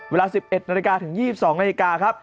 เวลา๑๑นถึง๒๒นครับ